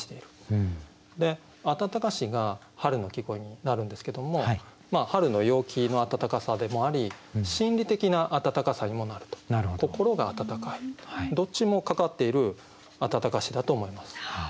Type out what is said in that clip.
「暖かし」が春の季語になるんですけども春の陽気の暖かさでもあり心理的な暖かさにもなると心が暖かいどっちもかかっている「暖かし」だと思います。